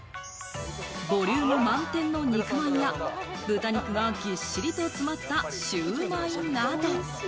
ボリューム満点の肉まんや、豚肉がぎっしりと詰まったシュウマイなど。